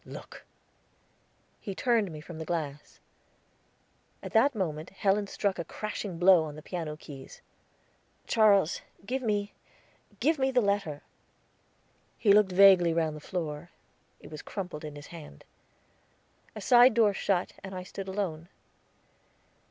Look!" He turned me from the glass. At that moment Helen struck a crashing blow on the piano keys. "Charles, give me give me the letter." He looked vaguely round the floor, it was crumpled in his hand. A side door shut, and I stood alone.